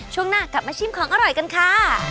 ช่วงหน้ากลับมาชิมของอร่อยกันค่ะ